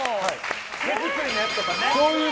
手作りのやつとかね。